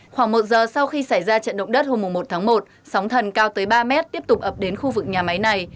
khoảng một giờ sau khi xảy ra trận động đất hôm một tháng một sóng thần cao tới ba mét tiếp tục ập đến khu vực nhà máy này